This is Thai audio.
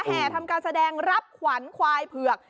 แห่ทำการแสดงรับขวัญควายเผือก